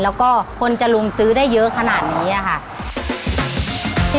แล้วก็คนจะลุมซื้อได้เยอะขนาดนี้ค่ะ